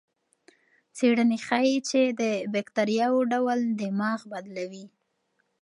څېړنه ښيي چې د بکتریاوو ډول دماغ بدلوي.